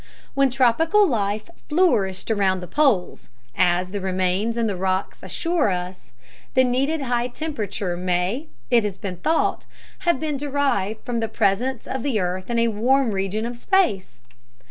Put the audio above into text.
When tropical life flourished around the poles, as the remains in the rocks assure us, the needed high temperature may, it has been thought, have been derived from the presence of the earth in a warm region of space.